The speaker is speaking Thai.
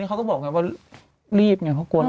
แต่เขาก็ข้อก็บอกไงว่ารีบไงเขาก็กลัว